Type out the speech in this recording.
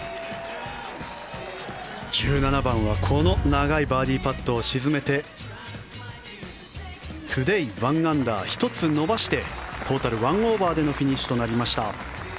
１７番はこの長いバーディーパットを沈めてトゥデー１アンダー１つ伸ばしてトータル１オーバーでのフィニッシュとなりました。